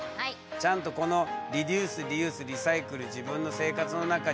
ちゃんとこのリデュースリユースリサイクル自分の生活の中に取り入れてるかな？